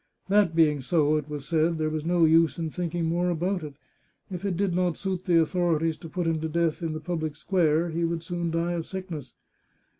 That being so, it was said, there was no use in think ing more about it. If it did not suit the authorities to put him to death in the public square, he would soon die of sickness.